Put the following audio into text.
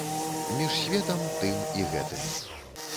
Між светам тым і гэтым.